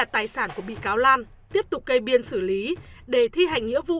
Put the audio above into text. tài sản của bị cáo lan tiếp tục cây biên xử lý để thi hành nghĩa vụ